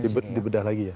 dibedah lagi ya